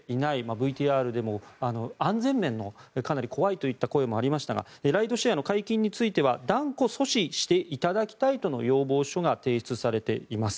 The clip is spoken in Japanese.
ＶＴＲでも安全面の怖いといった声もありましたがライドシェアの解禁については断固阻止していただきたいとの要望書が提出されています。